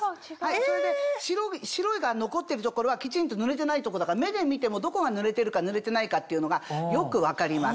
それで白いのが残ってる所はきちんと塗れてないとこだから目で見てもどこが塗れてるか塗れてないかっていうのがよく分かります。